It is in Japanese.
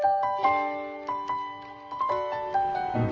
うん。